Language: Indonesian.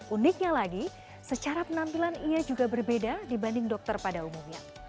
uniknya lagi secara penampilan ia juga berbeda dibanding dokter pada umumnya